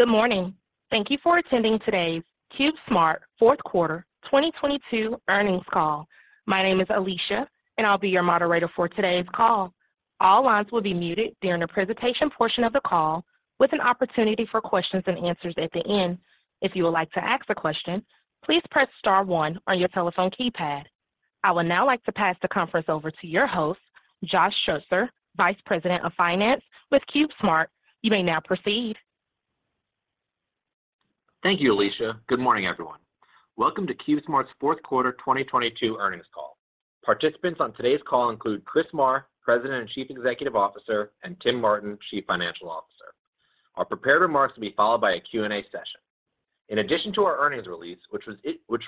Good morning. Thank you for attending today's CubeSmart Q4 2022 earnings call. My name is Alicia, and I'll be your moderator for today's call. All lines will be muted during the presentation portion of the call with an opportunity for questions and answers at the end. If you would like to ask a question, please press star one on your telephone keypad. I would now like to pass the conference over to your host, Josh Schutzer, Vice President of Finance with CubeSmart. You may now proceed. Thank you, Alicia. Good morning, everyone. Welcome to CubeSmart's Q4 2022 earnings call. Participants on today's call include Chris Marr, President and Chief Executive Officer, and Tim Martin, Chief Financial Officer. Our prepared remarks will be followed by a Q&A session. In addition to our earnings release, which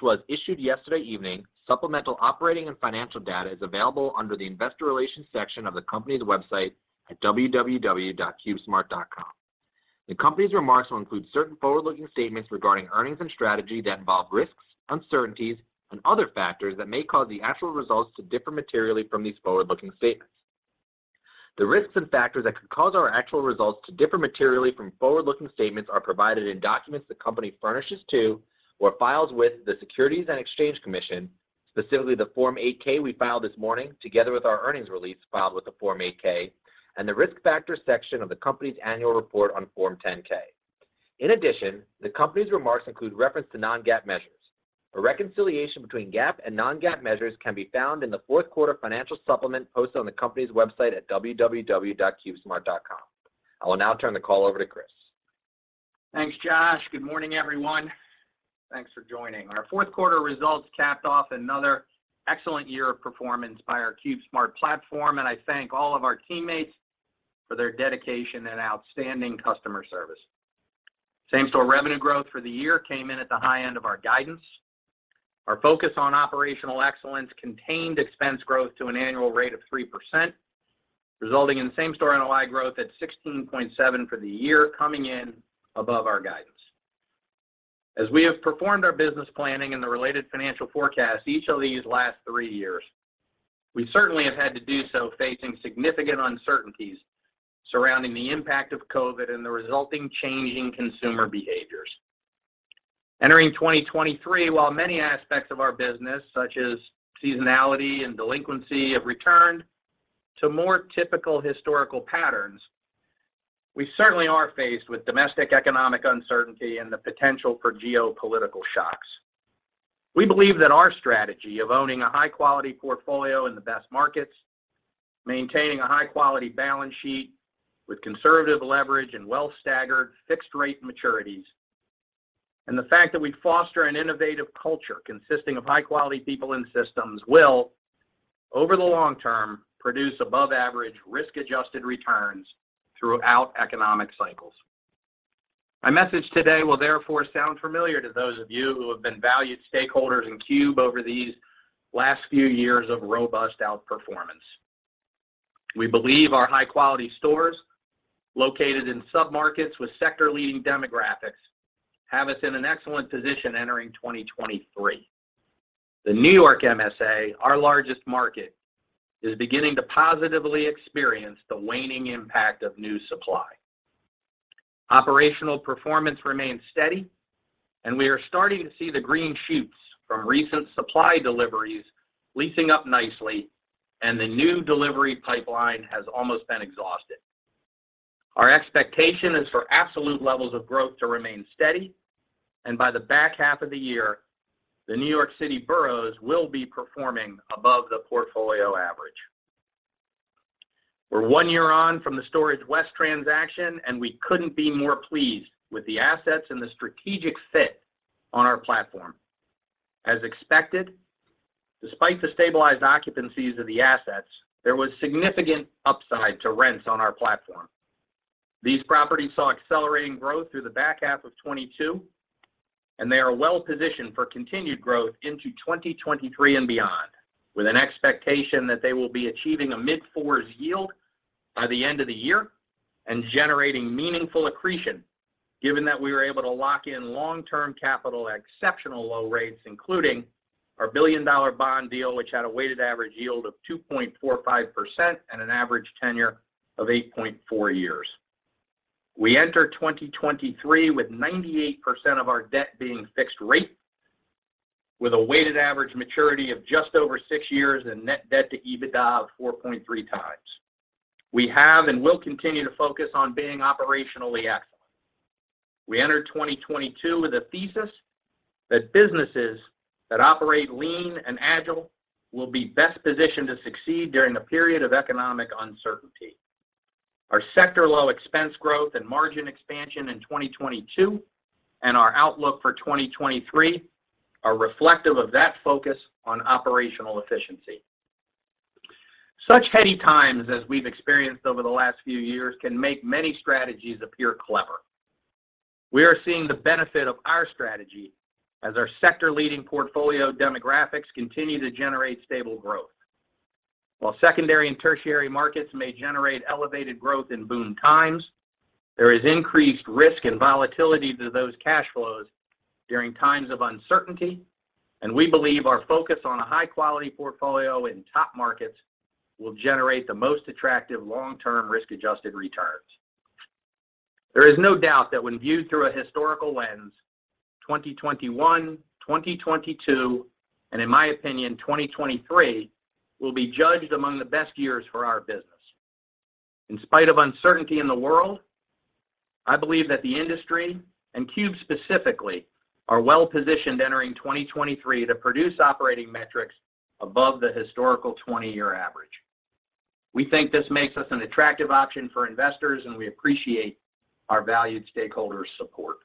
was issued yesterday evening, supplemental operating and financial data is available under the Investor Relations section of the company's website at www.cubesmart.com. The company's remarks will include certain forward-looking statements regarding earnings and strategy that involve risks, uncertainties, and other factors that may cause the actual results to differ materially from these forward-looking statements. The risks and factors that could cause our actual results to differ materially from forward-looking statements are provided in documents the company furnishes to or files with the Securities and Exchange Commission, specifically the Form 8-K we filed this morning, together with our earnings release filed with the Form 8-K, and the Risk Factors section of the company's annual report on Form 10-K. In addition, the company's remarks include reference to non-GAAP measures. A reconciliation between GAAP and non-GAAP measures can be found in the Q4 financial supplement posted on the company's website at www.cubesmart.com. I will now turn the call over to Chris. Thanks, Josh. Good morning, everyone. Thanks for joining. Our Q4 results capped off another excellent year of performance by our CubeSmart platform, and I thank all of our teammates for their dedication and outstanding customer service. Same-store revenue growth for the year came in at the high end of our guidance. Our focus on operational excellence contained expense growth to an annual rate of 3%, resulting in same-store NOI growth at 16.7% for the year, coming in above our guidance. As we have performed our business planning and the related financial forecast, each of these last three years, we certainly have had to do so facing significant uncertainties surrounding the impact of COVID and the resulting change in consumer behaviors. Entering 2023, while many aspects of our business, such as seasonality and delinquency, have returned to more typical historical patterns, we certainly are faced with domestic economic uncertainty and the potential for geopolitical shocks. We believe that our strategy of owning a high quality portfolio in the best markets, maintaining a high-quality balance sheet with conservative leverage and well-staggered fixed rate maturities, and the fact that we foster an innovative culture consisting of high-quality people and systems will, over the long term, produce above average risk-adjusted returns throughout economic cycles. My message today will therefore sound familiar to those of you who have been valued stakeholders in Cube over these last few years of robust outperformance. We believe our high quality stores located in submarkets with sector leading demographics have us in an excellent position entering 2023. The New York MSA, our largest market, is beginning to positively experience the waning impact of new supply. Operational performance remains steady. We are starting to see the green shoots from recent supply deliveries leasing up nicely. The new delivery pipeline has almost been exhausted. Our expectation is for absolute levels of growth to remain steady. By the back half of the year, the New York City boroughs will be performing above the portfolio average. We're one year on from the Storage West transaction. We couldn't be more pleased with the assets and the strategic fit on our platform. As expected, despite the stabilized occupancies of the assets, there was significant upside to rents on our platform. These properties saw accelerating growth through the back half of 2022. They are well positioned for continued growth into 2023 and beyond, with an expectation that they will be achieving a mid-4s yield by the end of the year and generating meaningful accretion, given that we were able to lock in long-term capital at exceptional low rates, including our billion-dollar bond deal, which had a weighted average yield of 2.45% and an average tenure of 8.4 years. We enter 2023 with 98% of our debt being fixed rate, with a weighted average maturity of just over 6 years and net debt to EBITDA of 4.3 times. We have and will continue to focus on being operationally excellent. We entered 2022 with a thesis that businesses that operate lean and agile will be best positioned to succeed during a period of economic uncertainty. Our sector low expense growth and margin expansion in 2022 and our outlook for 2023 are reflective of that focus on operational efficiency. Such heady times as we've experienced over the last few years can make many strategies appear clever. We are seeing the benefit of our strategy as our sector leading portfolio demographics continue to generate stable growth. While secondary and tertiary markets may generate elevated growth in boom times, there is increased risk and volatility to those cash flows. During times of uncertainty, we believe our focus on a high-quality portfolio in top markets will generate the most attractive long-term risk-adjusted returns. There is no doubt that when viewed through a historical lens, 2021, 2022, and in my opinion, 2023, will be judged among the best years for our business. In spite of uncertainty in the world, I believe that the industry and CubeSmart specifically are well-positioned entering 2023 to produce operating metrics above the historical 20-year average. We think this makes us an attractive option for investors, and we appreciate our valued stakeholders' support.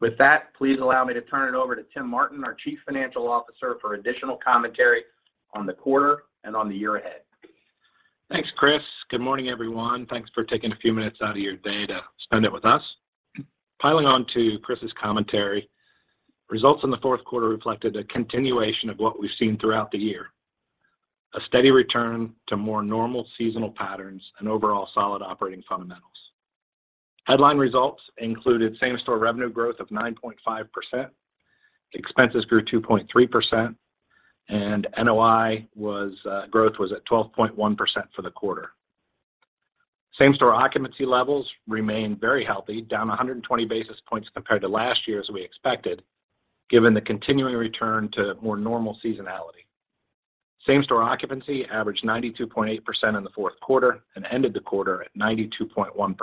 With that, please allow me to turn it over to Tim Martin, our Chief Financial Officer, for additional commentary on the quarter and on the year ahead. Thanks, Chris. Good morning, everyone. Thanks for taking a few minutes out of your day to spend it with us. Piling on to Chris's commentary, results in the Q4 reflected a continuation of what we've seen throughout the year, a steady return to more normal seasonal patterns and overall solid operating fundamentals. Headline results included same-store revenue growth of 9.5%, expenses grew 2.3%, and NOI growth was at 12.1% for the quarter. Same-store occupancy levels remained very healthy, down 120 basis points compared to last year as we expected, given the continuing return to more normal seasonality. Same-store occupancy averaged 92.8% in the Q4 and ended the quarter at 92.1%.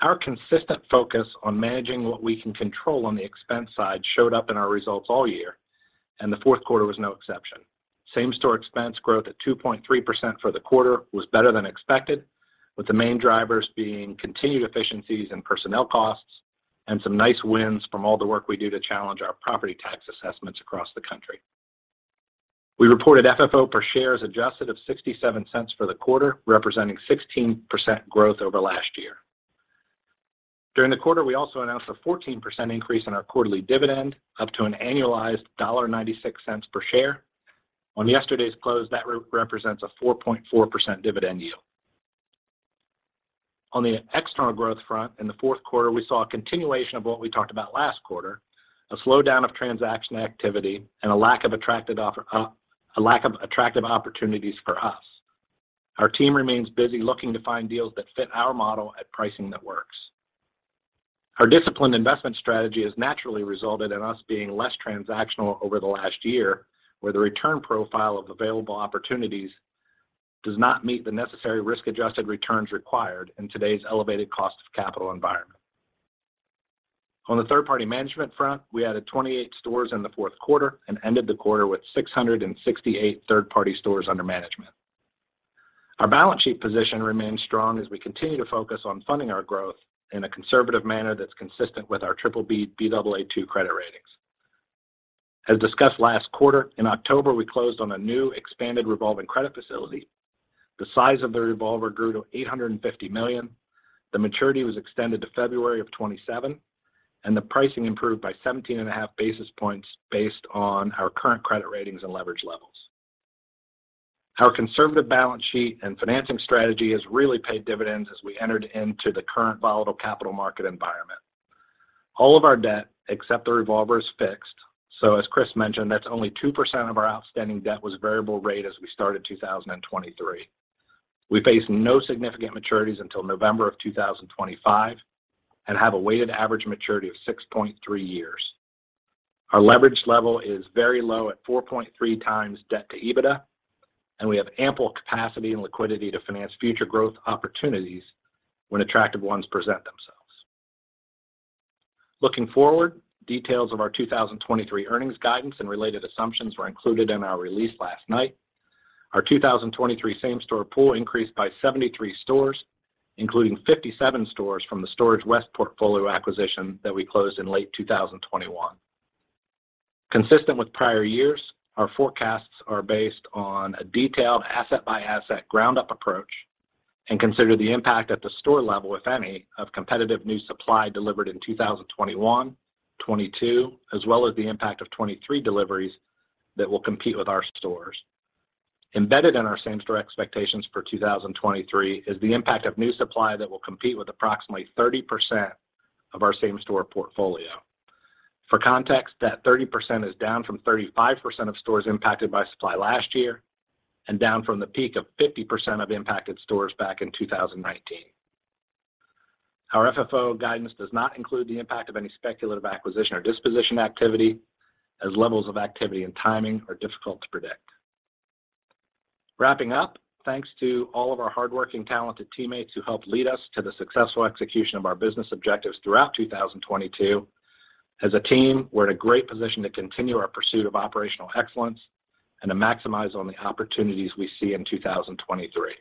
Our consistent focus on managing what we can control on the expense side showed up in our results all year, and the Q4 was no exception. Same-store expense growth at 2.3% for the quarter was better than expected, with the main drivers being continued efficiencies in personnel costs and some nice wins from all the work we do to challenge our property tax assessments across the country. We reported FFO per share as adjusted of $0.67 for the quarter, representing 16% growth over last year. During the quarter, we also announced a 14% increase in our quarterly dividend, up to an annualized $1.96 per share. On yesterday's close, that represents a 4.4% dividend yield. On the external growth front, in the Q4, we saw a continuation of what we talked about last quarter, a slowdown of transaction activity and a lack of attractive opportunities for us. Our team remains busy looking to find deals that fit our model at pricing that works. Our disciplined investment strategy has naturally resulted in us being less transactional over the last year, where the return profile of available opportunities does not meet the necessary risk-adjusted returns required in today's elevated cost of capital environment. On the third-party management front, we added 28 stores in the Q4 and ended the quarter with 668 third-party stores under management. Our balance sheet position remains strong as we continue to focus on funding our growth in a conservative manner that's consistent with our BBB, Baa2 credit ratings. As discussed last quarter, in October, we closed on a new expanded revolving credit facility. The size of the revolver grew to $850 million. The maturity was extended to February of 2027. The pricing improved by 17.5 basis points based on our current credit ratings and leverage levels. Our conservative balance sheet and financing strategy has really paid dividends as we entered into the current volatile capital market environment. All of our debt, except the revolver, is fixed. As Chris mentioned, that's only 2% of our outstanding debt was variable rate as we started 2023. We face no significant maturities until November of 2025 and have a weighted average maturity of 6.3 years. Our leverage level is very low at 4.3 times debt to EBITDA, and we have ample capacity and liquidity to finance future growth opportunities when attractive ones present themselves. Looking forward, details of our 2023 earnings guidance and related assumptions were included in our release last night. Our 2023 same-store pool increased by 73 stores, including 57 stores from the Storage West portfolio acquisition that we closed in late 2021. Consistent with prior years, our forecasts are based on a detailed asset-by-asset ground-up approach and consider the impact at the store level, if any, of competitive new supply delivered in 2021, 22, as well as the impact of 23 deliveries that will compete with our stores. Embedded in our same-store expectations for 2023 is the impact of new supply that will compete with approximately 30% of our same-store portfolio. For context, that 30% is down from 35% of stores impacted by supply last year and down from the peak of 50% of impacted stores back in 2019. Our FFO guidance does not include the impact of any speculative acquisition or disposition activity, as levels of activity and timing are difficult to predict. Wrapping up, thanks to all of our hardworking, talented teammates who helped lead us to the successful execution of our business objectives throughout 2022. As a team, we're in a great position to continue our pursuit of operational excellence and to maximize on the opportunities we see in 2023.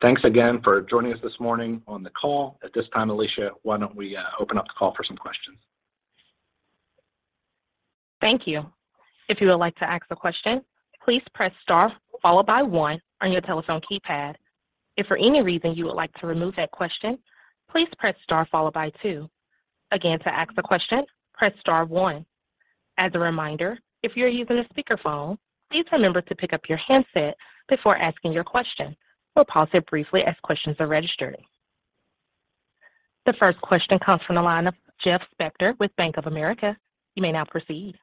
Thanks again for joining us this morning on the call. At this time, Alicia, why don't we open up the call for some questions? Thank you. If you would like to ask a question, please press star followed by one on your telephone keypad. If for any reason you would like to remove that question, please press star followed by two. Again, to ask a question, press star one. As a reminder, if you're using a speakerphone, please remember to pick up your handset before asking your question. We'll pause here briefly as questions are registered. The first question comes from the line of Jeff Spector with Bank of America. You may now proceed.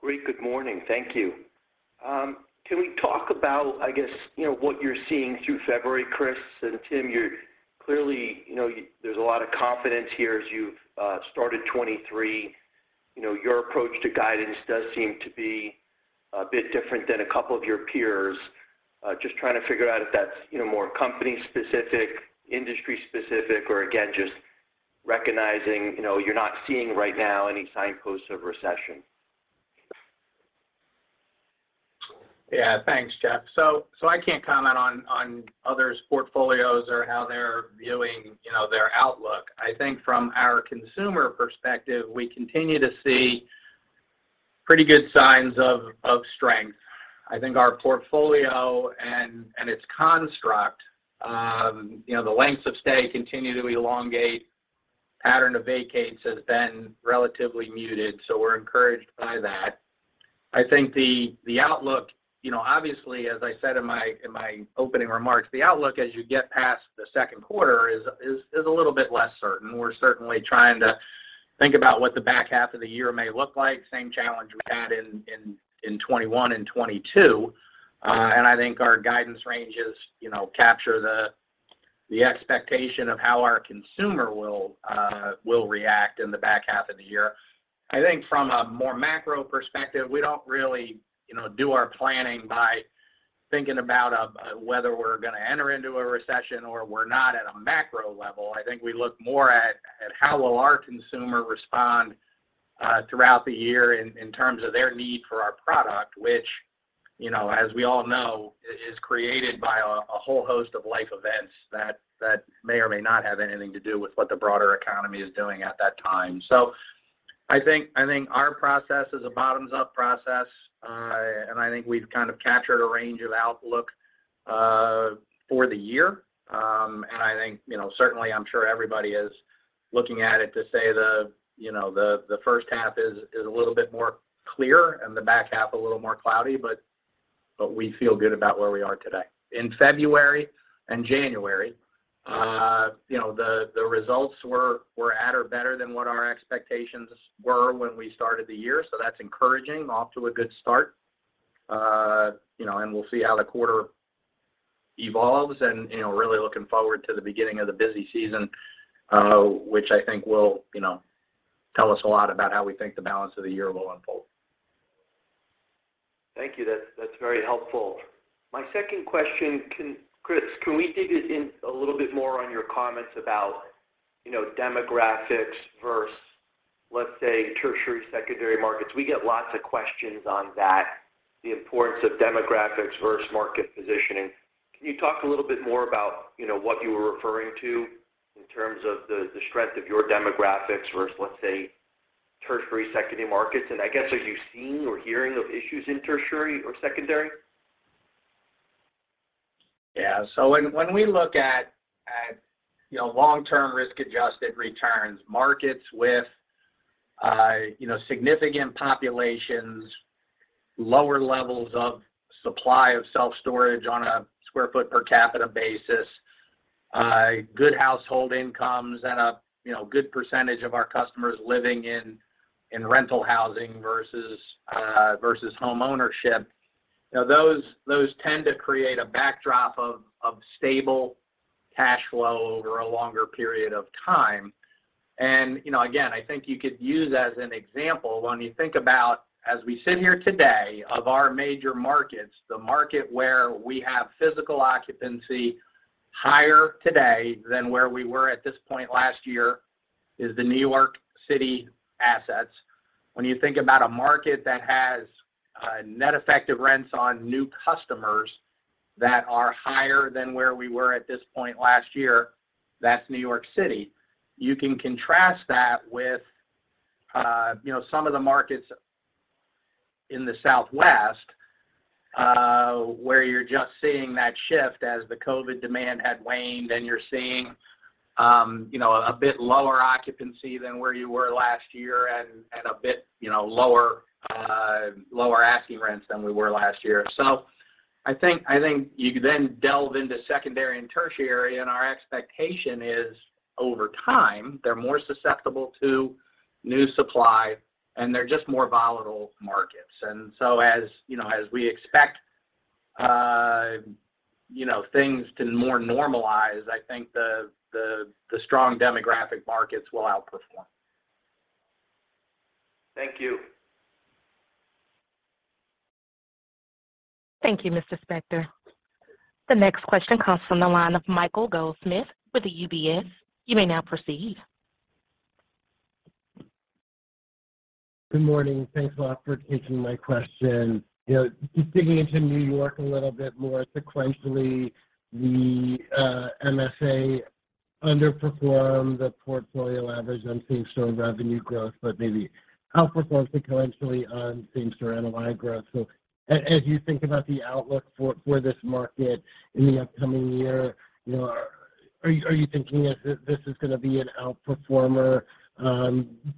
Great. Good morning. Thank you. Can we talk about, I guess, you know, what you're seeing through February, Chris? Tim, you're clearly, you know, there's a lot of confidence here as you've started 23. You know, your approach to guidance does seem to be a bit different than a couple of your peers. Just trying to figure out if that's, you know, more company specific, industry specific, or again, just recognizing, you know, you're not seeing right now any signposts of recession? Yeah. Thanks, Jeff. I can't comment on others' portfolios or how they're viewing, you know, their outlook. I think from our consumer perspective, we continue to see pretty good signs of strength. I think our portfolio and its construct, you know, the lengths of stay continue to elongate. Pattern of vacates has been relatively muted. We're encouraged by that. I think the outlook, you know, obviously, as I said in my, in my opening remarks, the outlook as you get past the Q2 is a little bit less certain. We're certainly trying to think about what the back half of the year may look like, same challenge we had in 21 and 22. I think our guidance ranges, you know, capture the expectation of how our consumer will react in the back half of the year. I think from a more macro perspective, we don't really, you know, do our planning by thinking about whether we're gonna enter into a recession or we're not at a macro level. I think we look more at how will our consumer respond throughout the year in terms of their need for our product, which, you know, as we all know, is created by a whole host of life events that may or may not have anything to do with what the broader economy is doing at that time. I think our process is a bottoms-up process. I think we've kind of captured a range of outlook for the year. I think, certainly I'm sure everybody is looking at it to say the H1 is a little bit more clear and the back half a little more cloudy, but we feel good about where we are today. In February and January, the results were at or better than what our expectations were when we started the year. That's encouraging. Off to a good start. We'll see how the quarter evolves and really looking forward to the beginning of the busy season, which I think will tell us a lot about how we think the balance of the year will unfold. Thank you. That's very helpful. My second question, Chris, can we dig in a little bit more on your comments about, you know, demographics versus, let's say, tertiary, secondary markets? We get lots of questions on that, the importance of demographics versus market positioning. Can you talk a little bit more about, you know, what you were referring to in terms of the strength of your demographics versus, let's say, tertiary, secondary markets? I guess, are you seeing or hearing of issues in tertiary or secondary? Yeah. When we look at, you know, long-term risk-adjusted returns, markets with, you know, significant populations, lower levels of supply of self-storage on a sq ft per capita basis, good household incomes, and a, you know, good percentage of our customers living in rental housing versus homeownership. You know, those tend to create a backdrop of stable cash flow over a longer period of time. Again, I think you could use as an example, when you think about as we sit here today of our major markets, the market where we have physical occupancy higher today than where we were at this point last year is the New York City assets. When you think about a market that has, net effective rents on new customers that are higher than where we were at this point last year, that's New York City. You can contrast that with, you know, some of the markets in the Southwest, where you're just seeing that shift as the COVID demand had waned, and you're seeing, you know, a bit lower occupancy than where you were last year and a bit, you know, lower asking rents than we were last year. I think you then delve into secondary and tertiary, and our expectation is over time, they're more susceptible to new supply, and they're just more volatile markets. As, you know, as we expect, you know, things to more normalize, I think the strong demographic markets will outperform. Thank you. Thank you, Mr. Spector. The next question comes from the line of Michael Goldsmith with the UBS. You may now proceed. Good morning. Thanks a lot for taking my question. You know, just digging into New York a little bit more sequentially, the MSA underperformed the portfolio average on same store revenue growth, but maybe outperformed sequentially on same store NOI growth. As you think about the outlook for this market in the upcoming year, you know, Are you thinking that this is gonna be an outperformer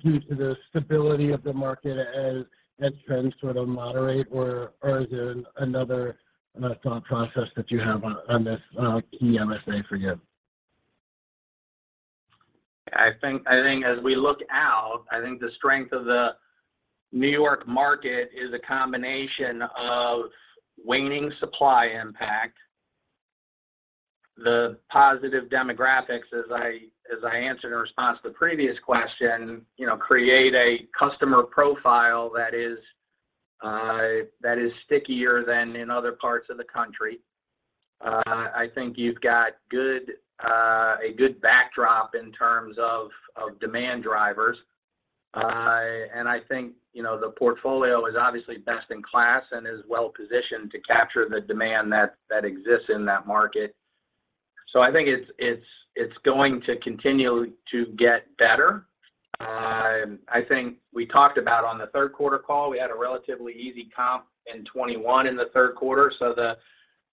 due to the stability of the market as trends sort of moderate or is there another thought process that you have on this key MSA for you? I think as we look out, I think the strength of the New York market is a combination of waning supply impact. The positive demographics, as I answered in response to the previous question, you know, create a customer profile that is stickier than in other parts of the country. I think you've got a good backdrop in terms of demand drivers. I think, you know, the portfolio is obviously best in class and is well-positioned to capture the demand that exists in that market. I think it's going to continue to get better. I think we talked about on the Q3 call, we had a relatively easy comp in 2021 in the Q3, so the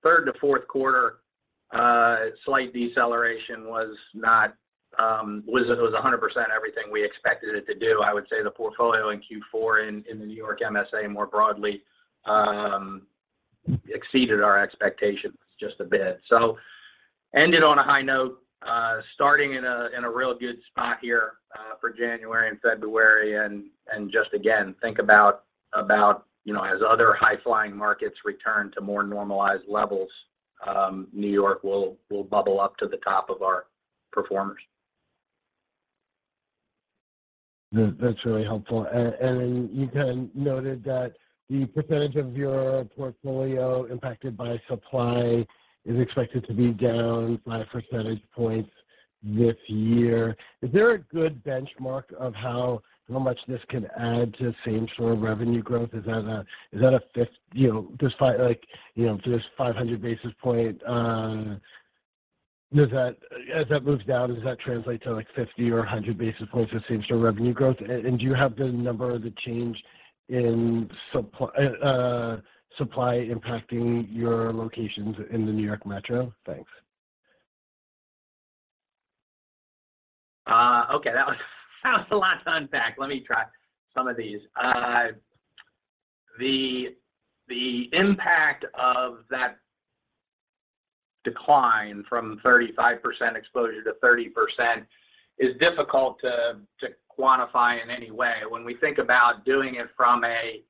third to Q4, slight deceleration was not, it was 100% everything we expected it to do. I would say the portfolio in Q4 in the New York MSA more broadly, exceeded our expectations just a bit. Ended on a high note, starting in a real good spot here, for January and February and just again, think about, you know, as other high-flying markets return to more normalized levels, New York will bubble up to the top of our performers. That's really helpful. You kind of noted that the percentage of your portfolio impacted by supply is expected to be down 5 percentage points this year. Is there a good benchmark of how much this could add to same-store revenue growth? Is that a, you know, does 5 like, you know, if there's 500 basis point, As that moves down, does that translate to like 50 or 100 basis points of same-store revenue growth? Do you have the number of the change in supply impacting your locations in the New York Metro? Thanks. Okay, that was a lot to unpack. Let me try some of these. The impact of that decline from 35% exposure to 30% is difficult to quantify in any way. When we think about doing it from a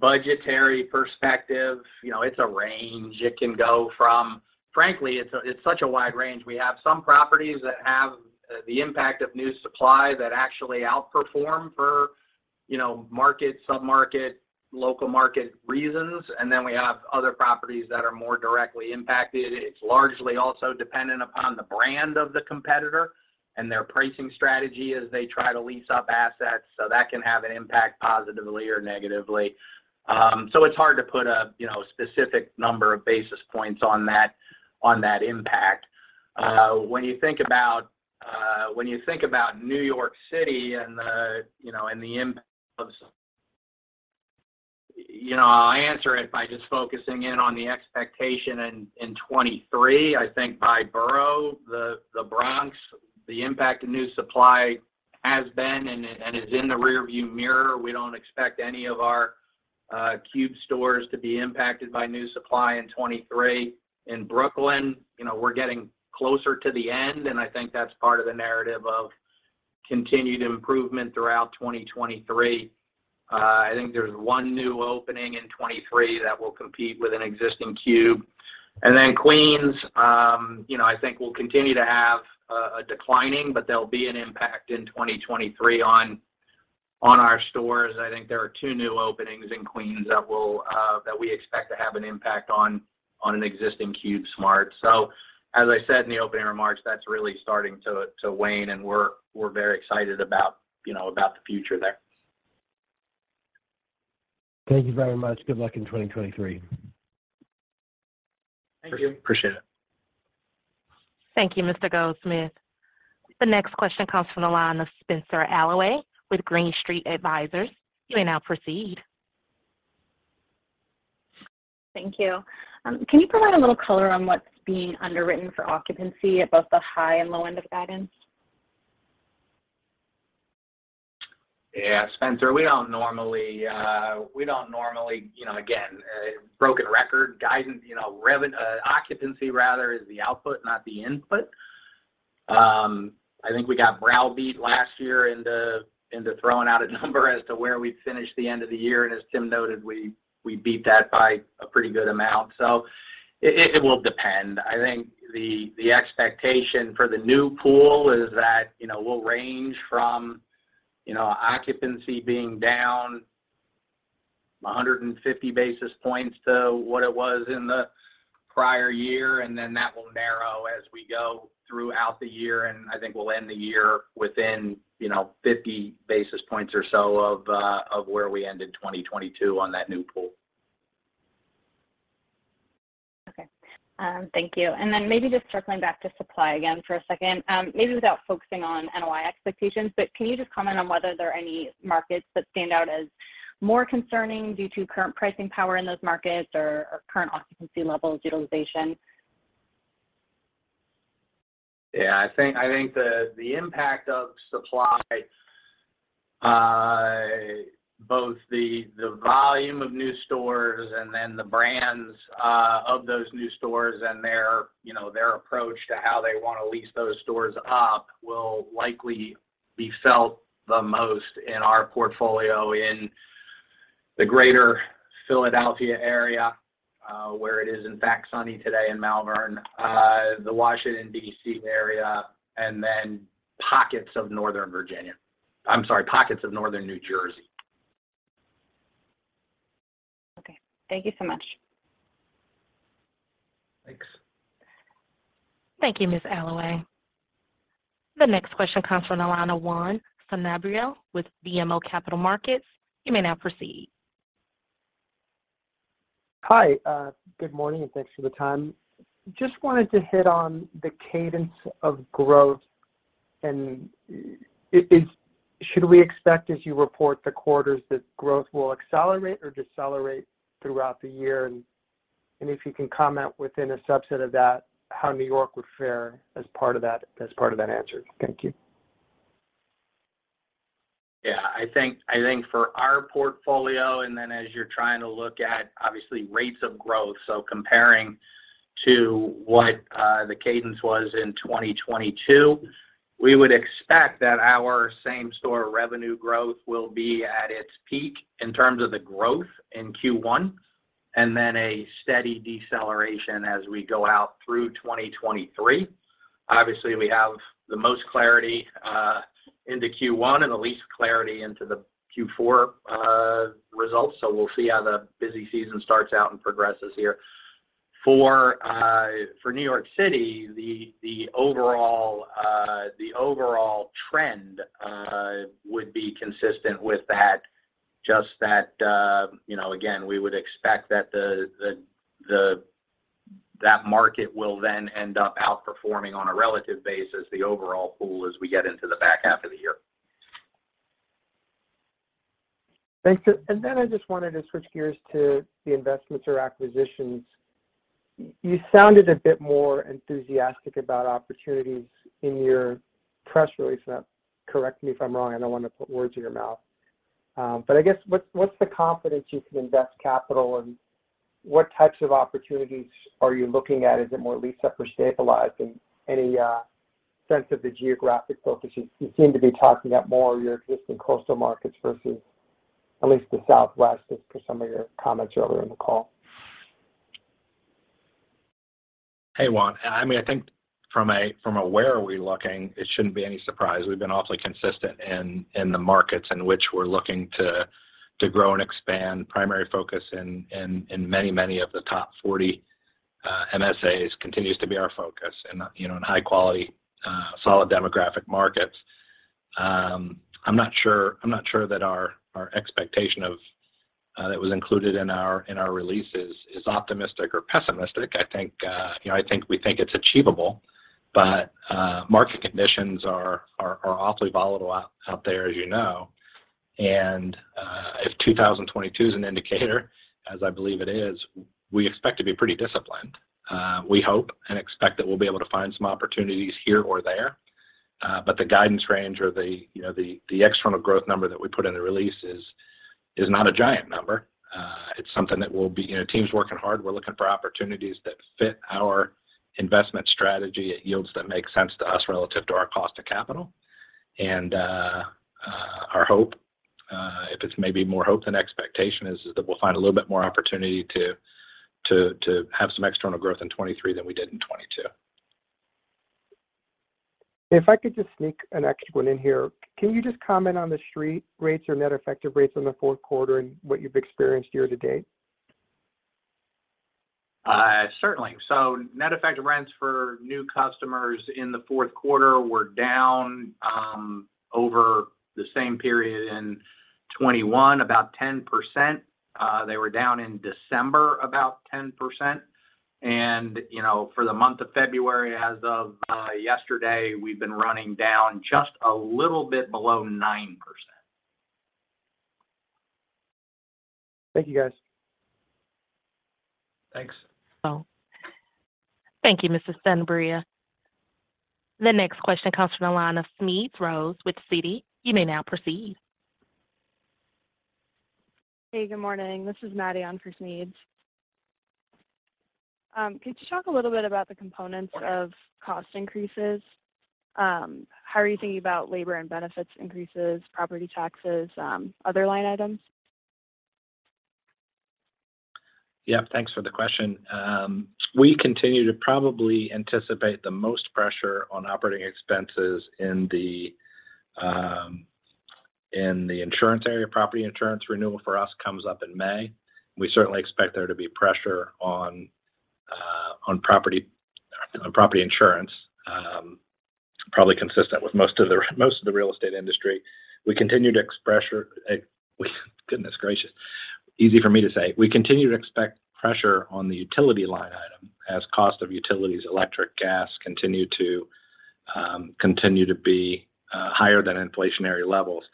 budgetary perspective, you know, it's a range. It can go from. Frankly, it's such a wide range. We have some properties that have the impact of new supply that actually outperform for, you know, market, sub-market, local market reasons, and then we have other properties that are more directly impacted. It's largely also dependent upon the brand of the competitor and their pricing strategy as they try to lease up assets, so that can have an impact positively or negatively. It's hard to put a, you know, specific number of basis points on that, on that impact. When you think about, when you think about New York City and the, you know, and the impact of... You know, I'll answer it by just focusing in on the expectation in 2023. I think by borough, the Bronx, the impact of new supply has been and is in the rearview mirror. We don't expect any of our Cube stores to be impacted by new supply in 2023. In Brooklyn, you know, we're getting closer to the end, and I think that's part of the narrative of continued improvement throughout 2023. I think there's 1 new opening in 2023 that will compete with an existing Cube. Then Queens, you know, I think will continue to have a declining, but there'll be an impact in 2023 on our stores. I think there are 2 new openings in Queens that will, that we expect to have an impact on an existing CubeSmart. As I said in the opening remarks, that's really starting to wane, and we're very excited about, you know, the future there. Thank you very much. Good luck in 2023. Thank you. Appreciate it. Thank you, Mr. Goldsmith. The next question comes from the line of Spenser Allaway with Green Street Advisors. You may now proceed. Thank you. Can you provide a little color on what's being underwritten for occupancy at both the high and low end of guidance? Spencer, we don't normally, we don't normally, you know, again, a broken record, guidance, you know, occupancy rather is the output, not the input. I think we got browbeat last year into throwing out a number as to where we'd finish the end of the year, and as Tim noted, we beat that by a pretty good amount. It will depend. I think the expectation for the new pool is that, you know, we'll range from, you know, occupancy being down 150 basis points to what it was in the prior year, and then that will narrow as we go throughout the year. I think we'll end the year within, you know, 50 basis points or so of where we ended 2022 on that new pool. Okay. Thank you. Maybe just circling back to supply again for a second, maybe without focusing on NOI expectations, but can you just comment on whether there are any markets that stand out as more concerning due to current pricing power in those markets or current occupancy levels, utilization? Yeah, I think the impact of supply, both the volume of new stores and then the brands of those new stores and their, you know, their approach to how they wanna lease those stores up will likely be felt the most in our portfolio in the greater Philadelphia area, where it is in fact sunny today in Malvern, the Washington D.C. area, and then pockets of Northern Virginia. I'm sorry, pockets of Northern New Jersey. Okay. Thank you so much. Thanks. Thank you, Ms. Allaway. The next question comes from the line of Juan Sanabria with BMO Capital Markets. You may now proceed. Hi. Good morning, and thanks for the time. Just wanted to hit on the cadence of growth, and should we expect as you report the quarters that growth will accelerate or decelerate throughout the year? If you can comment within a subset of that, how New York would fare as part of that answer. Thank you. Yeah. I think for our portfolio and then as you're trying to look at obviously rates of growth, so comparing to what the cadence was in 2022, we would expect that our same store revenue growth will be at its peak in terms of the growth in Q1 and then a steady deceleration as we go out through 2023. Obviously, we have the most clarity into Q1 and the least clarity into the Q4 results, so we'll see how the busy season starts out and progresses here. New York City, the overall trend would be consistent with that. Just that, you know, again, we would expect that that market will then end up outperforming on a relative basis, the overall pool as we get into the back half of the year. Thanks. Then I just wanted to switch gears to the investments or acquisitions. You sounded a bit more enthusiastic about opportunities in your press release, and correct me if I'm wrong, I don't want to put words in your mouth. I guess, what's the confidence you can invest capital and what types of opportunities are you looking at? Is it more lease up or stabilizing? Any sense of the geographic focus? You, you seem to be talking up more your existing coastal markets versus at least the Southwest as per some of your comments earlier in the call. Hey, Juan. I mean, I think from a where are we looking, it shouldn't be any surprise. We've been awfully consistent in the markets in which we're looking to grow and expand. Primary focus in many of the top 40 MSAs continues to be our focus in, you know, in high quality, solid demographic markets. I'm not sure our expectation of that was included in our release is optimistic or pessimistic. I think, you know, I think we think it's achievable, market conditions are awfully volatile out there as you know. If 2022 is an indicator, as I believe it is, we expect to be pretty disciplined. We hope and expect that we'll be able to find some opportunities here or there. The guidance range or the, you know, the external growth number that we put in the release is not a giant number. It's something that we'll be. You know, team's working hard. We're looking for opportunities that fit our investment strategy at yields that make sense to us relative to our cost of capital. Our hope, if it's maybe more hope than expectation, is that we'll find a little bit more opportunity to have some external growth in 2023 than we did in 2022. If I could just sneak an extra one in here. Can you just comment on the street rates or net effective rates in the Q4 and what you've experienced year to date? Certainly. Net effective rents for new customers in the Q4 were down over the same period in 2021, about 10%. They were down in December about 10%. You know, for the month of February as of yesterday, we've been running down just a little bit below 9%. Thank you, guys. Thanks. Thank you, Mr. Sanabria. The next question comes from the line of Smedes Rose with Citi. You may now proceed. Hey, good morning. This is Madi on for Smedes. Could you talk a little bit about the components of cost increases? How are you thinking about labor and benefits increases, property taxes, other line items? Thanks for the question. We continue to probably anticipate the most pressure on operating expenses in the insurance area. Property insurance renewal for us comes up in May. We certainly expect there to be pressure on property insurance, probably consistent with most of the real estate industry. Goodness gracious. Easy for me to say. We continue to expect pressure on the utility line item as cost of utilities, electric, gas, continue to be higher than inflationary levels.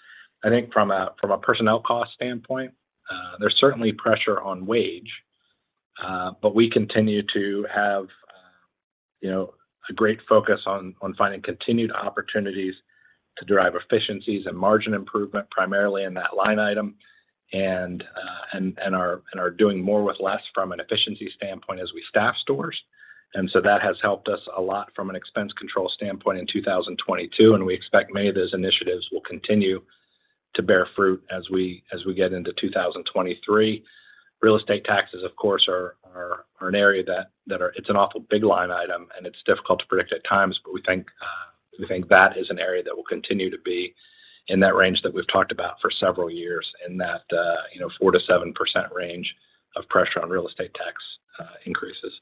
I think from a personnel cost standpoint, there's certainly pressure on wage. But we continue to have, you know, a great focus on finding continued opportunities to drive efficiencies and margin improvement primarily in that line item and are doing more with less from an efficiency standpoint as we staff stores. That has helped us a lot from an expense control standpoint in 2022, and we expect many of those initiatives will continue to bear fruit as we get into 2023. Real estate taxes of course are an area that are. It's an awful big line item, and it's difficult to predict at times. We think that is an area that will continue to be in that range that we've talked about for several years in that, you know, 4% to 7% range of pressure on real estate tax increases.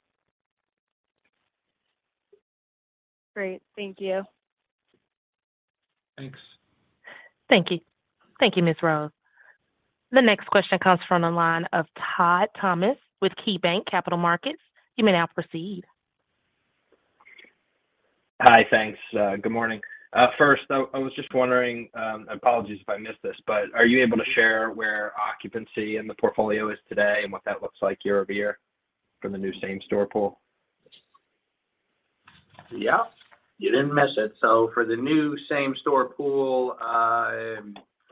Great. Thank you. Thanks. Thank you. Thank you, Ms. Rose. The next question comes from the line of Todd Thomas with KeyBanc Capital Markets. You may now proceed. Hi. Thanks. good morning. first, I was just wondering, apologies if I missed this, but are you able to share where occupancy in the portfolio is today and what that looks like year-over-year from the new same-store pool? You didn't miss it. For the new same-store pool,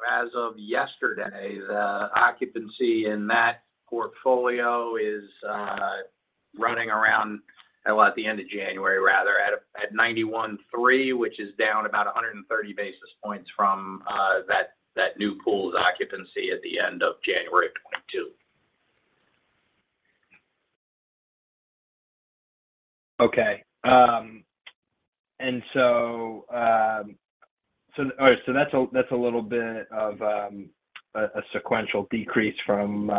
as of yesterday, the occupancy in that portfolio is, at the end of January rather, 91.3, which is down about 130 basis points from that new pool's occupancy at the end of January of 2022. Okay. All right. That's a little bit of a sequential decrease from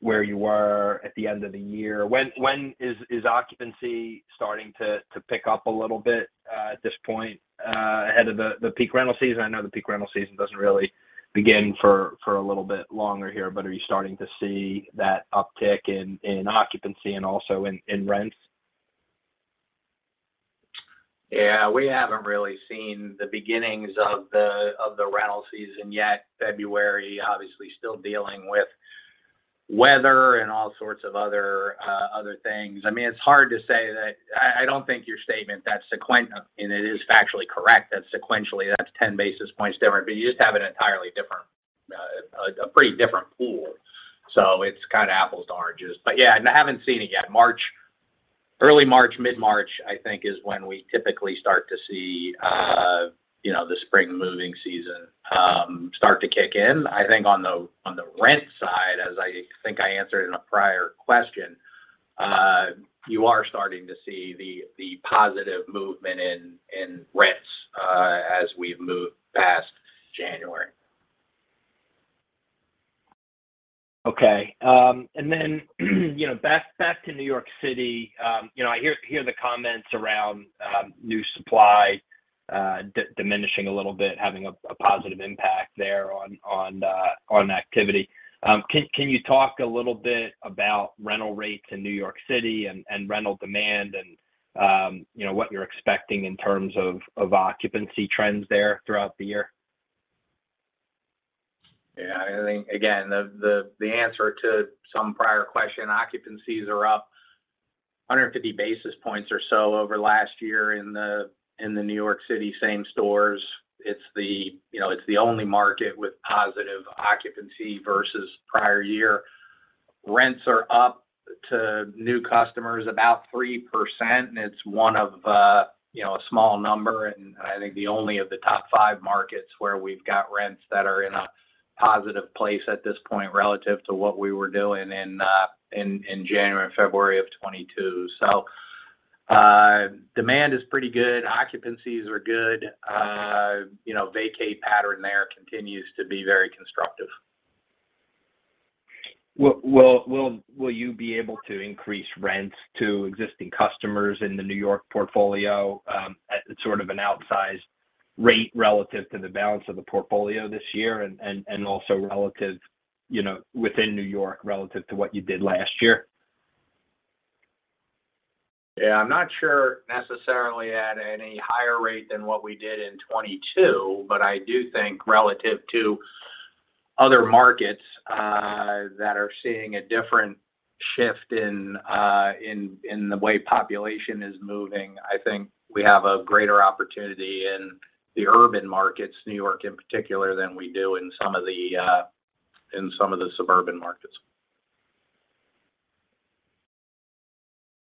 where you were at the end of the year. When is occupancy starting to pick up a little bit at this point ahead of the peak rental season? I know the peak rental season doesn't really begin for a little bit longer here, but are you starting to see that uptick in occupancy and also in rents? Yeah. We haven't really seen the beginnings of the rental season yet. February obviously still dealing with weather and all sorts of other things. I mean, it's hard to say that. I don't think your statement that it is factually correct that sequentially that's 10 basis points different, but you just have an entirely different, a pretty different pool. It's kind of apples to oranges. Yeah, I haven't seen it yet. March, early March, mid-March, I think is when we typically start to see, you know, the spring moving season start to kick in. I think on the rent side, as I think I answered in a prior question, you are starting to see the positive movement in rents as we've moved past January. Okay. You know, back to New York City, you know, I hear the comments around new supply diminishing a little bit, having a positive impact there on activity. Can you talk a little bit about rental rates in New York City and rental demand and, you know, what you're expecting in terms of occupancy trends there throughout the year? Yeah. I think again, the answer to some prior question, occupancies are up 150 basis points or so over last year in the New York Citi same stores. It's the, you know, it's the only market with positive occupancy versus prior year. Rents are up to new customers about 3%, and it's one of, you know, a small number and I think the only of the top 5 markets where we've got rents that are in a positive place at this point relative to what we were doing in January and February of 2022. Demand is pretty good. Occupancies are good. You know, vacate pattern there continues to be very constructive. Will you be able to increase rents to existing customers in the New York portfolio, at sort of an outsized rate relative to the balance of the portfolio this year and also relative, you know, within New York relative to what you did last year? Yeah. I'm not sure necessarily at any higher rate than what we did in 2022, but I do think relative to other markets, that are seeing a different shift in the way population is moving. I think we have a greater opportunity in the urban markets, New York in particular, than we do in some of the suburban markets.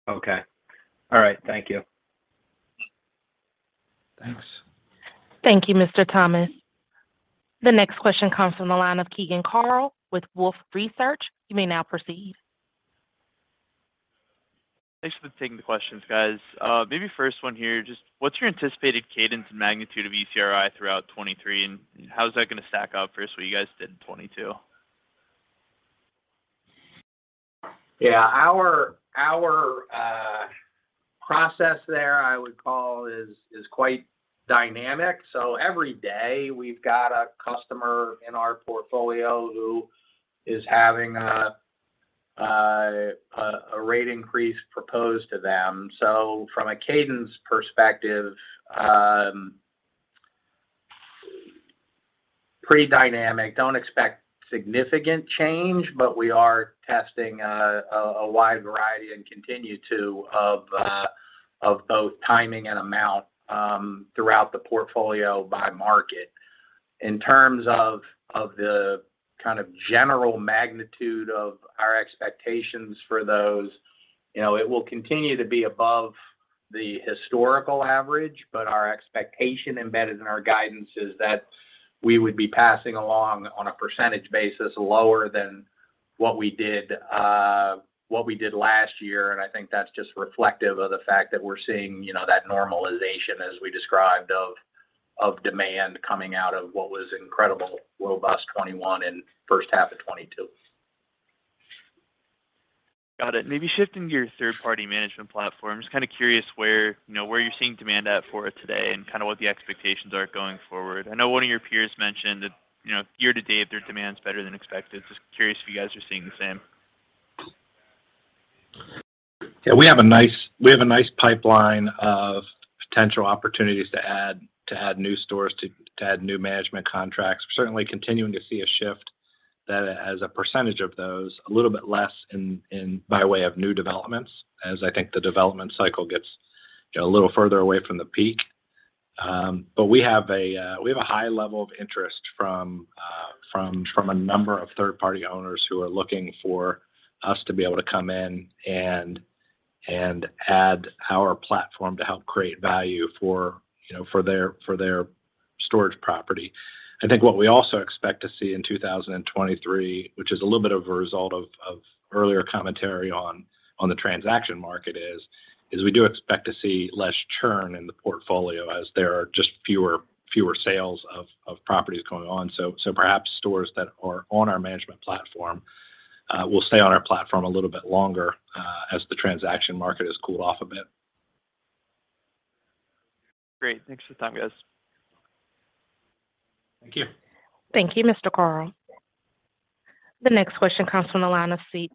Okay. All right. Thank you. Thanks. Thank you, Mr. Thomas. The next question comes from the line of Keegan Carl with Wolfe Research. You may now proceed. Thanks for taking the questions, guys. Maybe first one here, just what's your anticipated cadence and magnitude of ECRI throughout 2023, and how's that gonna stack up versus what you guys did in 2022? Our process there, I would call is quite dynamic. Every day we've got a customer in our portfolio who is having a rate increase proposed to them. From a cadence perspective, Pretty dynamic. Don't expect significant change, but we are testing a wide variety and continue to of both timing and amount throughout the portfolio by market. In terms of the kind of general magnitude of our expectations for those, you know, it will continue to be above the historical average. Our expectation embedded in our guidance is that we would be passing along on a percentage basis lower than what we did last year, and I think that's just reflective of the fact that we're seeing, you know, that normalization as we described of demand coming out of what was incredible, robust 2021 and H1 of 2022. Got it. Maybe shifting to your third-party management platform. Just kind of curious where, you know, where you're seeing demand at for it today and kind of what the expectations are going forward? I know one of your peers mentioned that, you know, year to date, their demand's better than expected. Just curious if you guys are seeing the same? We have a nice pipeline of potential opportunities to add new stores, to add new management contracts. We're certainly continuing to see a shift that as a percentage of those, a little bit less in by way of new developments as I think the development cycle gets, you know, a little further away from the peak. We have a high level of interest from a number of third party owners who are looking for us to be able to come in and add our platform to help create value for, you know, for their, for their storage property. I think what we also expect to see in 2023, which is a little bit of a result of earlier commentary on the transaction market is we do expect to see less churn in the portfolio as there are just fewer sales of properties going on. perhaps stores that are on our management platform will stay on our platform a little bit longer as the transaction market has cooled off a bit. Great. Thanks for the time, guys. Thank you. Thank you, Mr. Carl. The next question comes from the line of Steve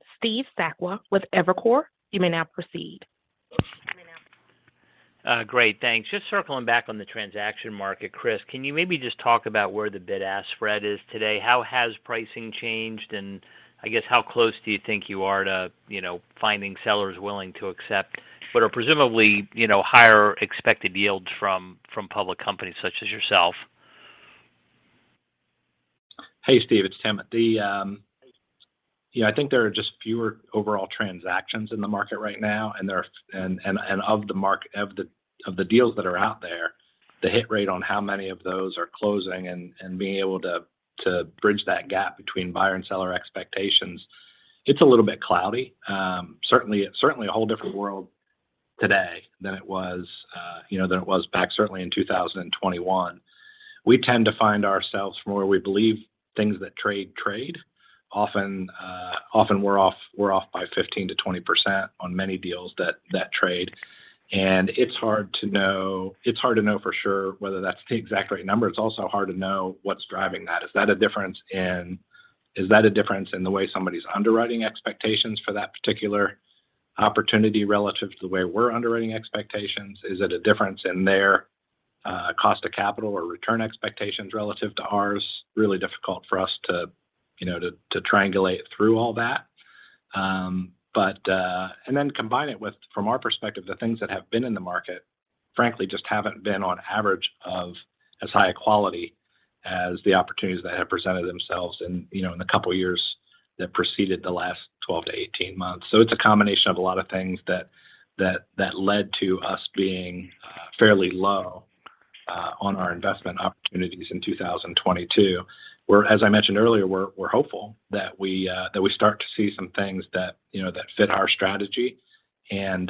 Sakwa with Evercore. You may now proceed. Great. Thanks. Just circling back on the transaction market, Chris, can you maybe just talk about where the bid-ask spread is today? How has pricing changed? I guess how close do you think you are to, you know, finding sellers willing to accept what are presumably, you know, higher expected yields from public companies such as yourself? Hey, Steve, it's Tim. Yeah, I think there are just fewer overall transactions in the market right now, and there are... of the deals that are out there, the hit rate on how many of those are closing and being able to bridge that gap between buyer and seller expectations, it's a little bit cloudy. Certainly a whole different world today than it was, you know, than it was back certainly in 2021. We tend to find ourselves from where we believe things that trade. Often we're off by 15%-20% on many deals that trade, and it's hard to know for sure whether that's the exact right number. It's also hard to know what's driving that. Is that a difference in the way somebody's underwriting expectations for that particular opportunity relative to the way we're underwriting expectations? Is it a difference in their cost of capital or return expectations relative to ours? Really difficult for us to, you know, to triangulate through all that. Combine it with, from our perspective, the things that have been in the market frankly just haven't been on average of as high a quality as the opportunities that have presented themselves in, you know, in the couple years that preceded the last 12 to 18 months. It's a combination of a lot of things that led to us being fairly low on our investment opportunities in 2022. We're, as I mentioned earlier, we're hopeful that we start to see some things that, you know, that fit our strategy and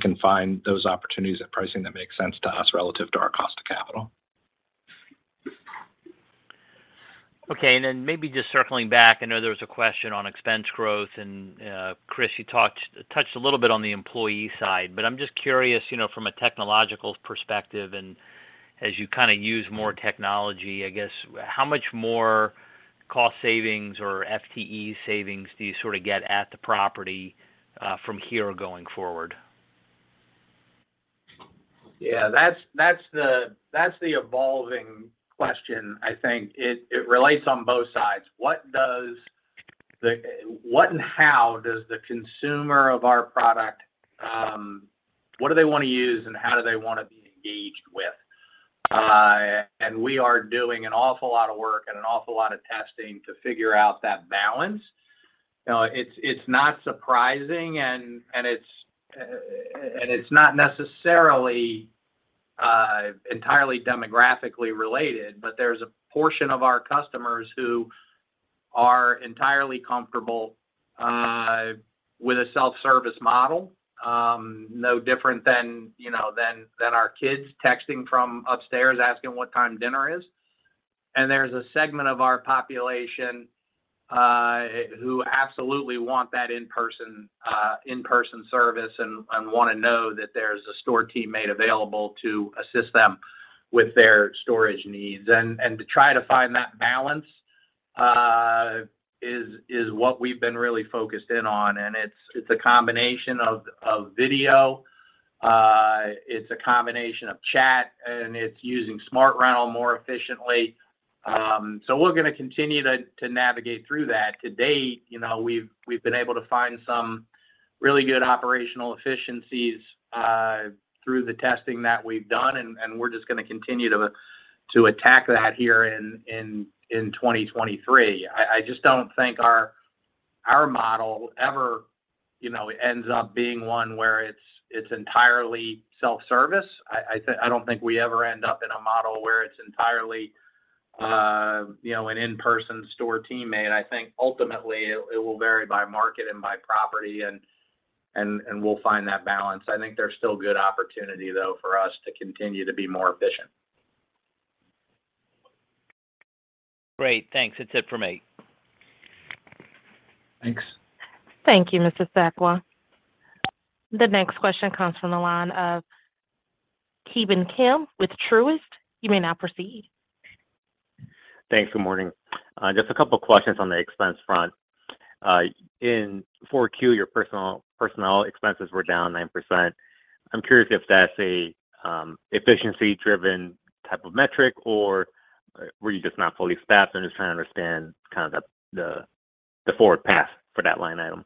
can find those opportunities at pricing that makes sense to us relative to our cost of capital. Okay. Maybe just circling back, I know there was a question on expense growth, and Chris, you touched a little bit on the employee side, but I'm just curious, you know, from a technological perspective, and as you kind of use more technology, I guess how much more cost savings or FTE savings do you sort of get at the property from here going forward? Yeah, that's the evolving question. I think it relates on both sides. What and how does the consumer of our product, what do they want to use and how do they want to be engaged with? We are doing an awful lot of work and an awful lot of testing to figure out that balance. You know, it's not surprising and it's not necessarily entirely demographically related, but there's a portion of our customers who are entirely comfortable with a self-service model, no different than, you know, our kids texting from upstairs asking what time dinner is. There's a segment of our population who absolutely want that in-person, in-person service and wanna know that there's a store teammate available to assist them with their storage needs. To try to find that balance is what we've been really focused in on, and it's a combination of video, it's a combination of chat, and it's using Smart Rental more efficiently. We're gonna continue to navigate through that. To date, you know, we've been able to find some really good operational efficiencies through the testing that we've done, and we're just gonna continue to attack that here in 2023. I just don't think our model ever, you know, ends up being one where it's entirely self-service. I don't think we ever end up in a model where it's entirely, you know, an in-person store teammate. I think ultimately it will vary by market and by property, and we'll find that balance. I think there's still good opportunity though for us to continue to be more efficient. Great. Thanks. That's it for me. Thanks. Thank you, Mr. Sakwa. The next question comes from the line of Ki Bin Kim with Truist. You may now proceed. Thanks. Good morning. Just a couple questions on the expense front. In 4Q, your personnel expenses were down 9%. I'm curious if that's a efficiency driven type of metric or were you just not fully staffed? I'm just trying to understand kind of the, the forward path for that line item.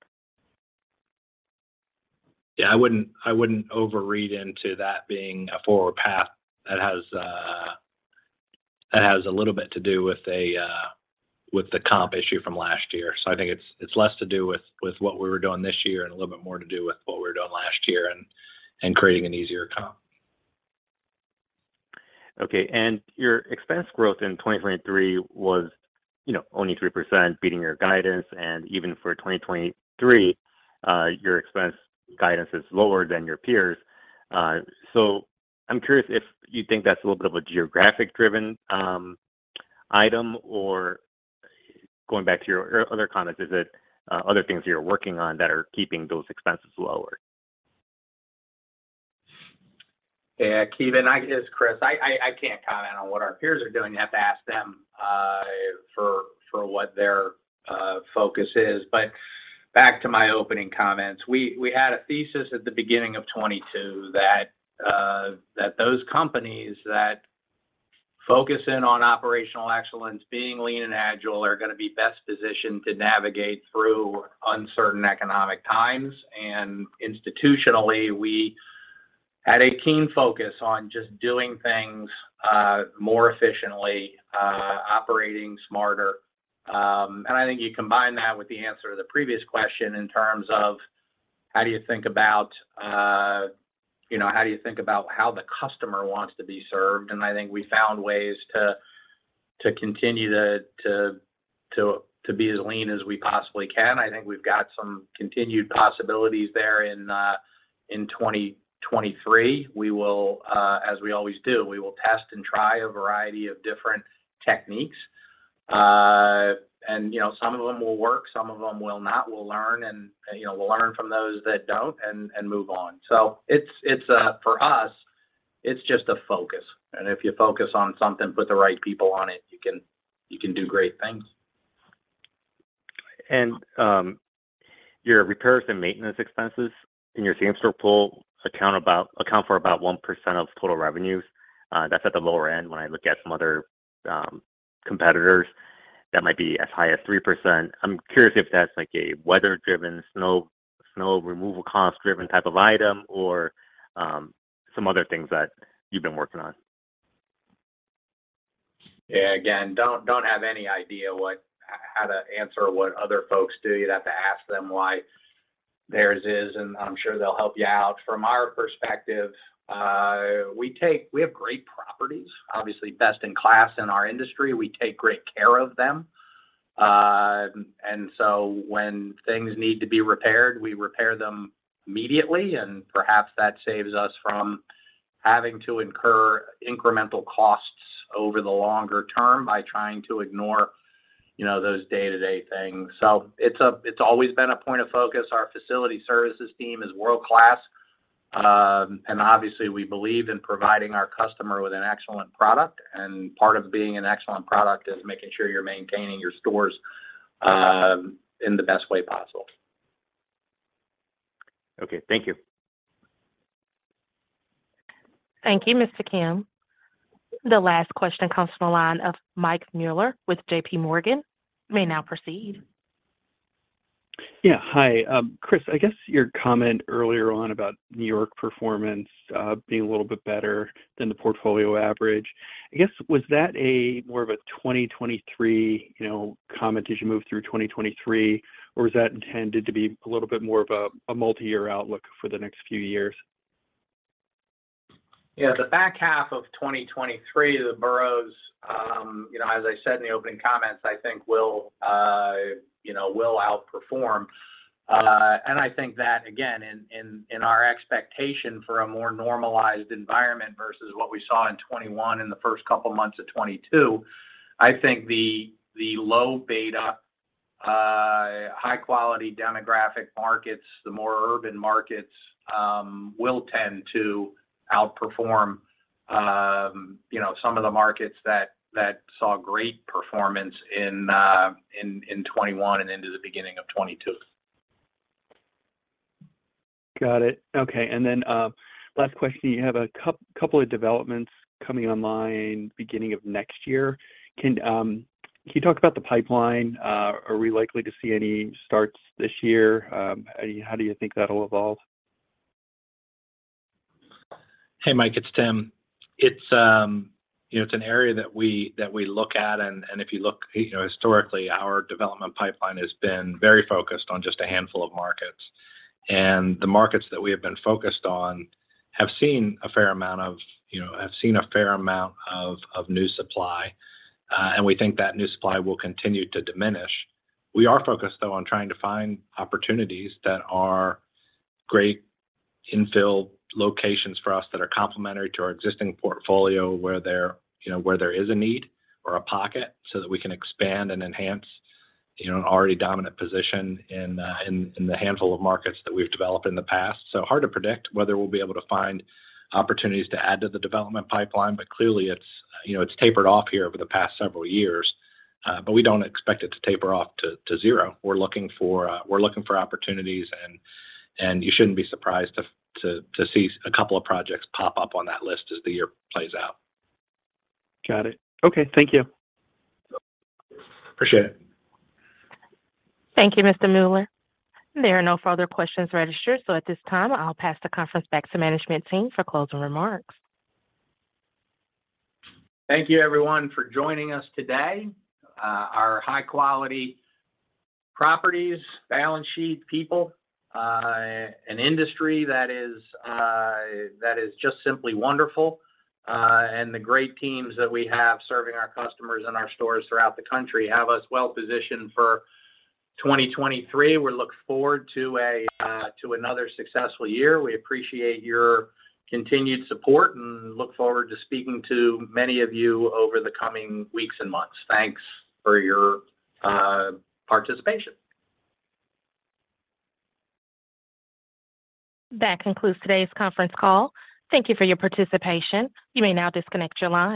Yeah, I wouldn't overread into that being a forward path. That has a little bit to do with a with the comp issue from last year. I think it's less to do with what we were doing this year and a little bit more to do with what we were doing last year and creating an easier comp. Okay. Your expense growth in 2023 was, you know, only 3%, beating your guidance. Even for 2023, your expense guidance is lower than your peers. I'm curious if you think that's a little bit of a geographic driven item or going back to your other comments, is it other things you're working on that are keeping those expenses lower? Yeah. Kevin, It's Chris. I can't comment on what our peers are doing. You'd have to ask them for what their focus is. Back to my opening comments, we had a thesis at the beginning of 2022 that those companies that focus in on operational excellence, being lean and agile, are gonna be best positioned to navigate through uncertain economic times. Institutionally, we had a keen focus on just doing things more efficiently, operating smarter. I think you combine that with the answer to the previous question in terms of how do you think about, you know, how do you think about how the customer wants to be served? I think we found ways to continue to be as lean as we possibly can. I think we've got some continued possibilities there in 2023. We will, as we always do, we will test and try a variety of different techniques. You know, some of them will work, some of them will not. We'll learn and, you know, we'll learn from those that don't and move on. It's for us, it's just a focus. If you focus on something, put the right people on it, you can do great things. Your repairs and maintenance expenses in your same-store pool account for about 1% of total revenues. That's at the lower end when I look at some other competitors that might be as high as 3%. I'm curious if that's like a weather driven, snow removal cost driven type of item or some other things that you've been working on. Yeah. Again, don't have any idea what how to answer what other folks do. You'd have to ask them why theirs is, and I'm sure they'll help you out. From our perspective, we have great properties, obviously best in class in our industry. We take great care of them. When things need to be repaired, we repair them immediately, and perhaps that saves us from having to incur incremental costs over the longer term by trying to ignore, you know, those day-to-day things. So it's always been a point of focus. Our facility services team is world-class. Obviously we believe in providing our customer with an excellent product, and part of being an excellent product is making sure you're maintaining your stores in the best way possible. Okay. Thank you. Thank you, Mr. Kim. The last question comes from the line of Mike Mueller with JPMorgan. You may now proceed. Yeah. Hi. Chris, I guess your comment earlier on about New York performance, being a little bit better than the portfolio average, I guess, was that a more of a 2023, you know, comment as you move through 2023, or was that intended to be a little bit more of a multi-year outlook for the next few years? Yeah. The back half of 2023, the boroughs, you know, as I said in the opening comments, I think will, you know, will outperform. I think that again in, in our expectation for a more normalized environment versus what we saw in 2021 and the first couple months of 2022, I think the low beta, high-quality demographic markets, the more urban markets, will tend to outperform, you know, some of the markets that saw great performance in, 2021 and into the beginning of 2022. Got it. Okay. Last question, you have a couple of developments coming online beginning of next year. Can you talk about the pipeline? Are we likely to see any starts this year? How do you think that'll evolve? Hey, Mike, it's Tim. It's, you know, it's an area that we look at. If you look, you know, historically, our development pipeline has been very focused on just a handful of markets. The markets that we have been focused on have seen a fair amount of, you know, new supply, and we think that new supply will continue to diminish. We are focused, though, on trying to find opportunities that are great infill locations for us that are complementary to our existing portfolio, where there, you know, where there is a need or a pocket so that we can expand and enhance, you know, an already dominant position in the handful of markets that we've developed in the past. Hard to predict whether we'll be able to find opportunities to add to the development pipeline, but clearly it's, you know, it's tapered off here over the past several years. We don't expect it to taper off to zero. We're looking for opportunities and you shouldn't be surprised to see a couple of projects pop up on that list as the year plays out. Got it. Okay. Thank you. Appreciate it. Thank you, Mr. Mueller. There are no further questions registered. At this time, I'll pass the conference back to management team for closing remarks. Thank you everyone for joining us today. Our high quality properties, balance sheet people, an industry that is just simply wonderful, and the great teams that we have serving our customers and our stores throughout the country have us well positioned for 2023. We look forward to a to another successful year. We appreciate your continued support and look forward to speaking to many of you over the coming weeks and months. Thanks for your participation. That concludes today's conference call. Thank you for your participation. You may now disconnect your line.